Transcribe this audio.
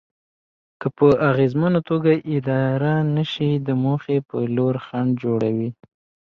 که په اغېزمنه توګه اداره نشي د موخې په لور خنډ جوړوي.